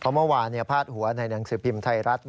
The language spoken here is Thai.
เมื่อวานพาดหัวในหนังสือพิมพ์ไทยรัฐ